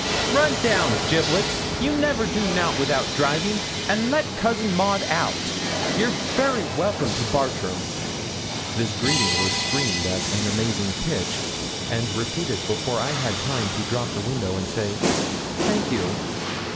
'Run down, Giblets, you never do nout without driving, and let Cousin Maud out. You're very welcome to Bartram.' This greeting was screamed at an amazing pitch, and repeated before I had time to drop the window, and say 'thank you.'